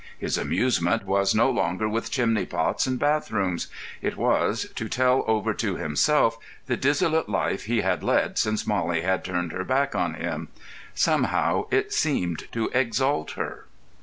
His amusement was no longer with chimney pots and bath rooms; it was, to tell over to himself the dissolute life he had led since Mollie had turned her back on him. Somehow, it seemed to exalt her.